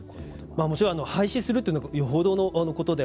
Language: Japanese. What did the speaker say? もちろん廃止するというのはよほどのことでは